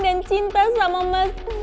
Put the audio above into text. dan cinta sama mas